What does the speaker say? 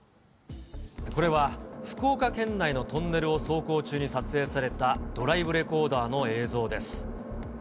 これは、福岡県内のトンネルを走行中に撮影されたドライブレコーダーの映像です。